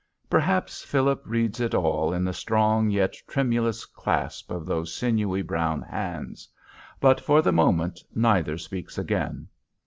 Perhaps Philip reads it all in the strong yet tremulous clasp of those sinewy brown hands, but for the moment neither speaks again.